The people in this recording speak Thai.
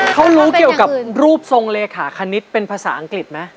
เขารู้เกี่ยวกับรูปทรงเลขาคณิตเป็นภาษาอังกฤษไหม